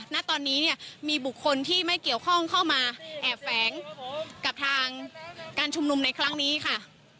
ณตอนนี้เนี่ยมีบุคคลที่ไม่เกี่ยวข้องเข้ามาแอบแฝงกับทางการชุมนุมในครั้งนี้ค่ะ